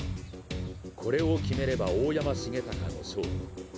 これを決めれば大山重隆の勝利。